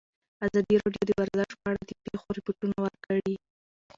ازادي راډیو د ورزش په اړه د پېښو رپوټونه ورکړي.